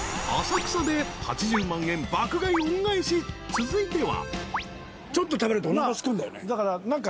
［続いては］